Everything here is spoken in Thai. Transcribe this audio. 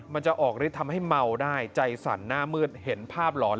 มันจะออกฤทธิ์ทำให้เมาได้ใจสั่นหน้ามืดเห็นภาพหลอน